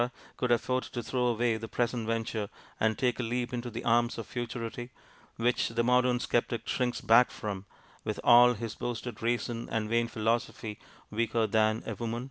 could afford to throw away the present venture, and take a leap into the arms of futurity, which the modern sceptic shrinks back from, with all his boasted reason and vain philosophy, weaker than a woman!